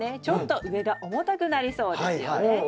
ちょっと上が重たくなりそうですよね。